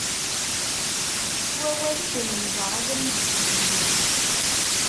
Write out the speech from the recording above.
S wawal i d-nenjer abrid i tlelli.